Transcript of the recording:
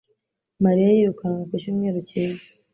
Mariya yirukanwe ku cyumweru cyiza